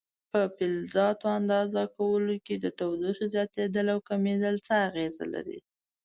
په فلزاتو اندازه کولو کې د تودوخې زیاتېدل او کمېدل څه اغېزه لري؟